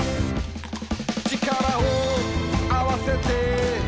「力をあわせて」